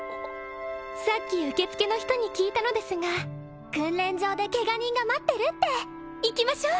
さっき受付の人に聞いたのですが訓練場でケガ人が待ってるって行きましょう！